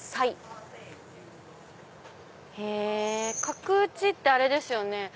角打ちってあれですよね